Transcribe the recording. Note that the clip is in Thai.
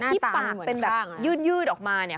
ปั่นเป็นแบบยืดออกมาเนี่ย